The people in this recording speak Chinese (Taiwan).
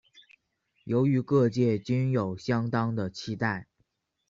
由於各界均有相當的期待